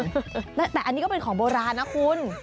แต่อันนี้ก็เป็นของโบราณนะคุณ